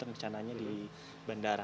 dan rencananya di bandara